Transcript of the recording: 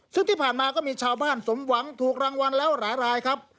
ซึ่งที่ผ่านมาก็มีชาวบ้านสมหวังถูกรางวัลแล้วหลายรายครับ